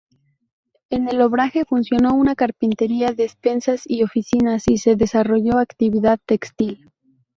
En el obraje funcionó una carpintería, despensas y oficinas, y se desarrolló actividad textil.